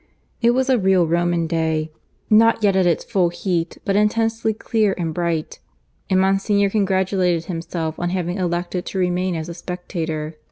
It was a real Roman day not yet at its full heat, but intensely clear and bright; and Monsignor congratulated himself on having elected to remain as a spectator.